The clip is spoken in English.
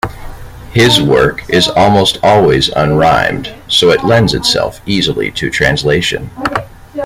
His work is almost always unrhymed, so lends itself easily to translation.